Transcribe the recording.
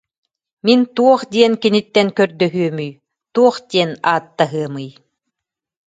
Мин туох диэн киниттэн көрдөһүөмүй, туох диэн ааттаһыамый.